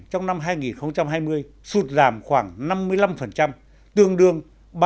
trong năm hai nghìn hai mươi sụt giảm khoảng năm mươi năm tương đương ba trăm một mươi bốn